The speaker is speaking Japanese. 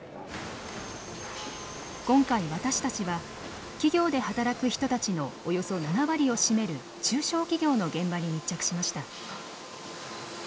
今回私たちは企業で働く人たちのおよそ７割を占める中小企業の現場に密着しました。